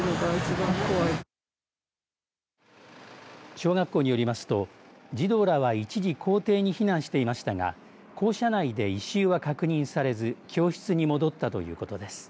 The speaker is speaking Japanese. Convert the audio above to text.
小学校によりますと児童らは一時校庭に避難していましたが校舎内で異臭は確認されず教室に戻ったということです。